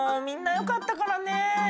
みんな良かったからね。